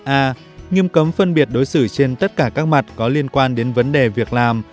a nghiêm cấm phân biệt đối xử trên tất cả các mặt có liên quan đến vấn đề việc làm